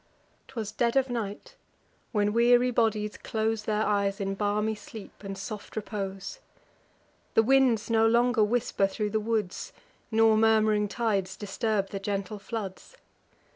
"'Twas dead of night, when weary bodies close Their eyes in balmy sleep and soft repose: The winds no longer whisper thro' the woods, Nor murm'ring tides disturb the gentle floods.